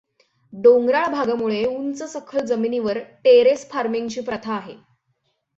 डोंगराळ भागामुळे उंच सखल जमिनीवर टेरेस फार्मिंगची प्रथा आहे.